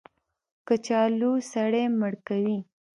کچالو سړی مړ کوي